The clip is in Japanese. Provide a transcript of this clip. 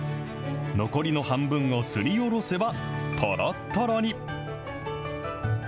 残りの半分をすりおろせば、とろっとろに。